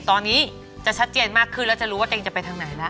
ตอนนี้จะชัดเจนมากขึ้นแล้วจะรู้ว่าตัวเองจะไปทางไหนแล้ว